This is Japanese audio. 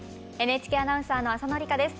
ＮＨＫアナウンサーの浅野里香です。